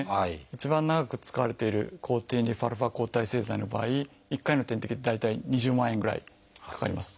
一番長く使われている抗ＴＮＦ−α抗体製剤の場合１回の点滴で大体２０万円ぐらいかかります。